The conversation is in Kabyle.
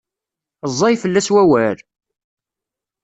Ẓẓay fell-as wawal?